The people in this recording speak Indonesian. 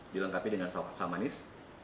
dilengkapi dengan salsa manis